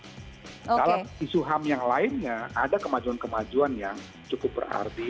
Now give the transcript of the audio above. dalam isu ham yang lainnya ada kemajuan kemajuan yang cukup berarti